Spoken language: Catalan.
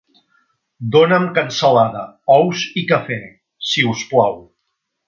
Dóna'm cansalada, ous i cafè, si us plau.